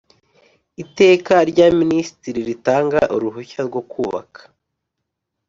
Iteka rya Minisitiri ritanga uruhushya rwo kubaka